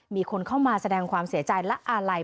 มีคนเข้ามาแสดงความเสียใจและอาลัย